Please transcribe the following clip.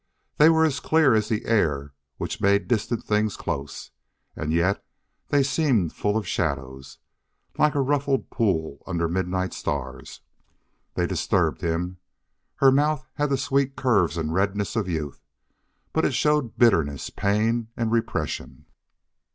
They were as clear as the air which made distant things close, and yet they seemed full of shadows, like a ruffled pool under midnight stars. They disturbed him. Her mouth had the sweet curves and redness of youth, but it showed bitterness, pain, and repression.